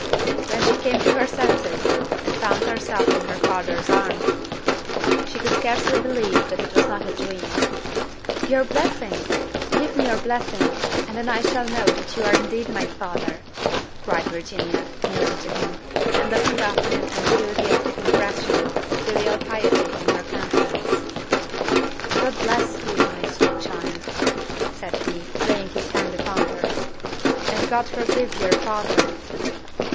When she came to her senses, and found herself in her father's arms, she could scarcely believe that it was not a dream. "Your blessing! give me your blessing, and then I shall know that you are indeed my father!" cried Virginia, kneeling to him, and looking up with an enthusiastic expression of filial piety in her countenance. "God bless you, my sweet child!" said he, laying his hand upon her; "and God forgive your father!"